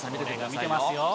見てますよ。